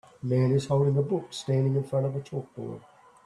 A man is holding a book standing in front of a chalkboard.